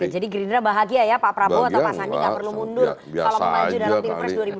jadi gerindra bahagia ya pak prabowo